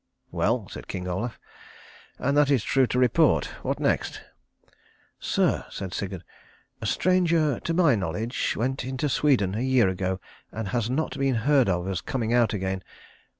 "Well," said King Olaf, "and that is true to report. What next?" "Sir," said Sigurd, "a stranger to my knowledge went into Sweden a year ago, and has not been heard of as coming out again.